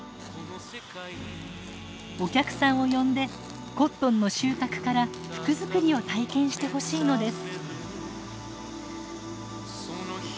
お客さんを呼んでコットンの収穫から服作りを体験してほしいのです。